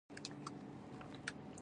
انا د زړه تودوخه ده